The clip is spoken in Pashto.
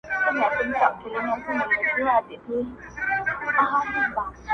زاړه دودونه لا هم ژوندی دي